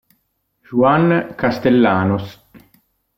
Juan Castellanos